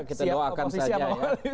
kita doakan saja ya